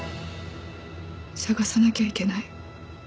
捜さなきゃいけない。